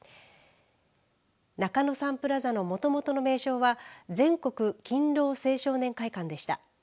中野サンプラザのもともとの名称は全国勤労青少年会館でした。